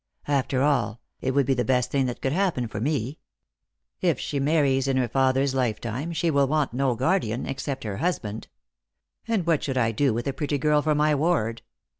" After all, it would be the best thing that could happen for me. If she marries in her father's lifetime, she will want no guardian except her husband. And what should I do with a pretty girl for my ward